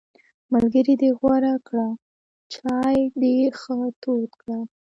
ملګری دې غوره کړه، چای دې ښه تود کړه!